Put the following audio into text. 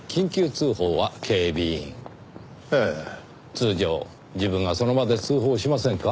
通常自分がその場で通報しませんか？